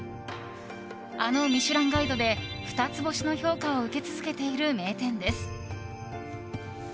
あの「ミシュランガイド」で二つ星の評価を受け続けている名店です。